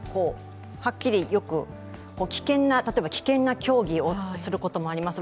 はっきり例えば危険な競技をすることもあります。